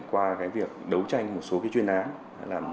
qua cái việc đấu tranh một số chuyên án